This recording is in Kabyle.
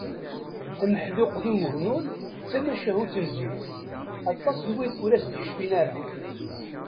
Ameḥduq d umegnun d tamacahut n zik, aṭas n wid ur as-d-yecfin ara